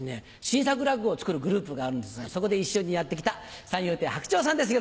新作落語を作るグループがあるんですがそこで一緒にやって来た三遊亭白鳥さんです。